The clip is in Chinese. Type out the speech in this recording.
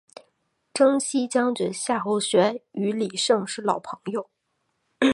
征西将军夏侯玄与李胜是老朋友。